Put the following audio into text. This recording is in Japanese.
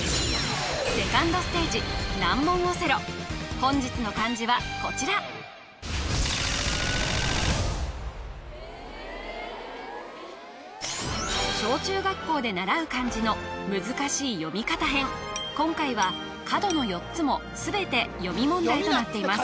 セカンドステージ難問オセロ本日の漢字はこちら今回は角の４つも全て読み問題となっています